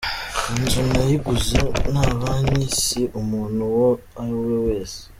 Inzu nayiguze na Banki si umuntu uwo awi we wese’.